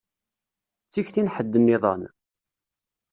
D tikti n ḥedd nniḍen?